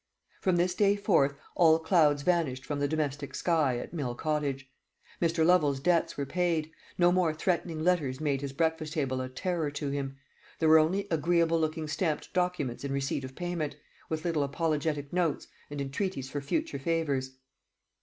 From this day forth all clouds vanished from the domestic sky at Mill Cottage. Mr. Lovel's debts were paid; no more threatening letters made his breakfast table a terror to him; there were only agreeable looking stamped documents in receipt of payment, with little apologetic notes, and entreaties for future favours.